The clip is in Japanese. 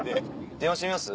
電話してみます？